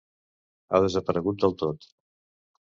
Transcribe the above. Ha desaparegut del tot.